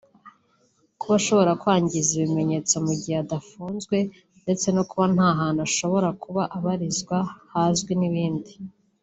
kuba ashobora kwangiza ibimenyetso mu gihe adafunzwe ndetse no kuba nta hantu ashobora kuba abarizwa hazwi n’ibindi